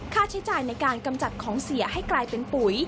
ค่าใช้จ่ายในการกำจัดของเสียให้กลายเป็นปุ๋ย